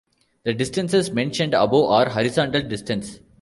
The distances mentioned above are horizontal distance.